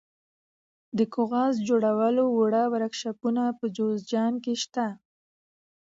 د کاغذ جوړولو واړه ورکشاپونه په جوزجان کې شته.